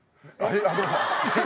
あっごめんなさい。